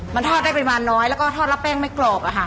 มันทอดได้ประมาณน้อยแล้วก็ทอดแล้วแป้งไม่กรอบอะค่ะ